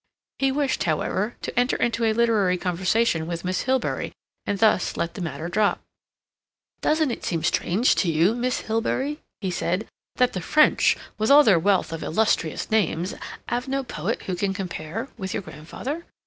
He wished, however, to enter into a literary conservation with Miss Hilbery, and thus let the matter drop. "Doesn't it seem strange to you, Miss Hilbery," he said, "that the French, with all their wealth of illustrious names, have no poet who can compare with your grandfather?